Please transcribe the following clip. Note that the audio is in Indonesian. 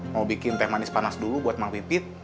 mau bikin teh manis panas dulu buat mang pipit